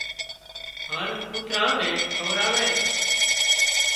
هانَ ڪوترا نين کوَرائي